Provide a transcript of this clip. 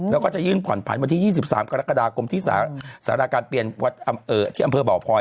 แล้วก็จะยื่นผ่อนผันวันที่๒๓กรกฎาคมที่สาราการเปลี่ยนวัดที่อำเภอบ่อพลอย